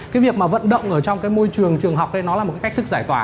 cái việc mà vận động ở trong môi trường trường học đây là một cách thức giải tỏa